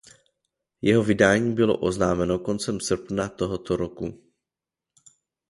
Jeho vydání bylo oznámeno koncem srpna toho roku.